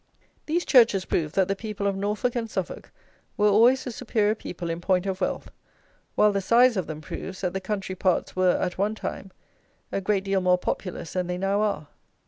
These churches prove that the people of Norfolk and Suffolk were always a superior people in point of wealth, while the size of them proves that the country parts were, at one time, a great deal more populous than they now are.